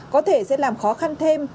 có thể sẽ làm khó khăn thêm